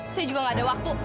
saya juga gak ada waktu